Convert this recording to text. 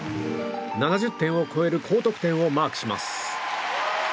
７０点を超える高得点をマークします。